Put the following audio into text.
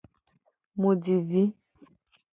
Mu ji vi.